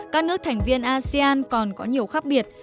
các nước thành viên asean còn có nhiều khác biệt